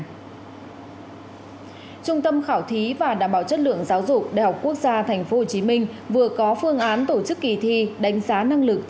trung tâm khảo thí và đảm bảo chất lượng giáo dục đại học quốc gia tp hcm vừa có phương án tổ chức kỳ thi đánh giá năng lực